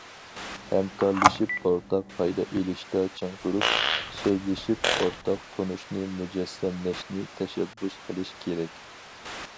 ھەمكارلىشىپ ئورتاق پايدا ئېلىشتا چىڭ تۇرۇپ، سۆزلىشىپ ئورتاق تونۇشنى مۇجەسسەملەشنى تەشەببۇس قىلىش كېرەك.